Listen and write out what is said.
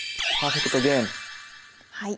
はい。